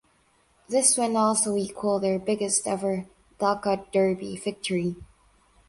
This win also equal their biggest ever Dhaka Derby victory.